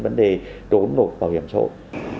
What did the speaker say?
vấn đề trốn nộp bảo hiểm xã hội